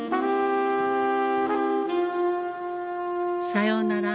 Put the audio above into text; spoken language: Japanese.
さようなら